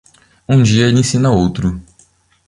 Um dia ele ensina outro.